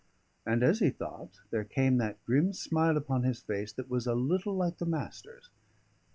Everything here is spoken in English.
And as he thought, there came that grim smile upon his face that was a little like the Master's.